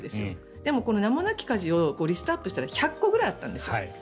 でも、名もなき家事をリストアップしたら１００個くらいあったわけですよ。